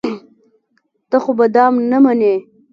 ته خو به دام نه منې.